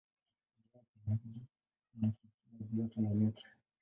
Mmojawapo, maji yanafikia ziwa Tanganyika.